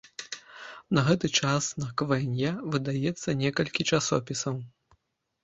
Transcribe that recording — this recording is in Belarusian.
На гэты час на квэнья выдаецца некалькі часопісаў.